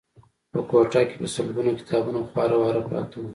په کوټه کې په سلګونه کتابونه خواره واره پراته وو